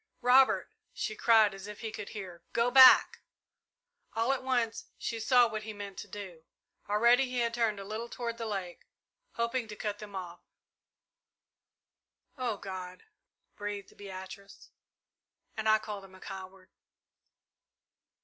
"Robert!" she cried, as if he could hear. "Go back!" All at once she saw what he meant to do. Already he had turned a little toward the lake, hoping to cut them off. "Oh God!" breathed Beatrice. "And I called him a coward!"